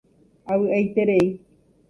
Avy'aiterei.